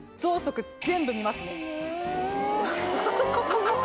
すごい！